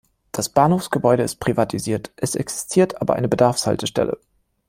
Das Bahnhofsgebäude ist privatisiert, es existiert aber eine Bedarfshaltestelle.